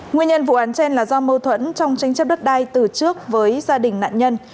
nguyên nhân vụ án trên là do mâu thuẫn trong tranh chấp đất đai từ trước với gia đình nạn nhân